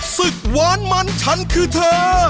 หวานมันฉันคือเธอ